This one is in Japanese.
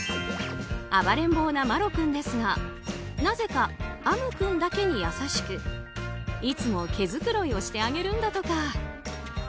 暴れん坊な麻呂君ですがなぜか逢夢君だけに優しくいつも毛づくろいをしてあげるんだとか。